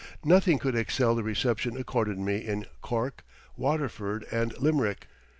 Nothing could excel the reception accorded me in Cork, Waterford, and Limerick.